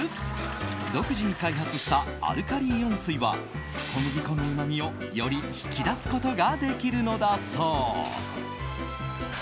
独自に開発したアルカリイオン水は小麦粉のうまみをより引き出すことができるのだそう。